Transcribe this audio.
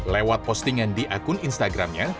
lewat postingan di akun instagramnya